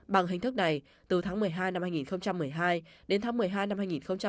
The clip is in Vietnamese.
bằng hình thức này từ tháng một mươi hai năm hai nghìn một mươi hai đến tháng một mươi hai năm hai nghìn một mươi bảy